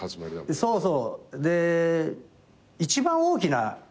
そうそう。